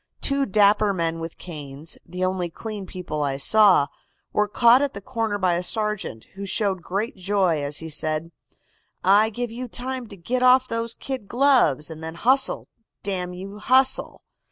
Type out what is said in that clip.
Two dapper men with canes, the only clean people I saw, were caught at the corner by a sergeant, who showed great joy as he said: "'I give you time to git off those kid gloves, and then hustle, damn you, hustle!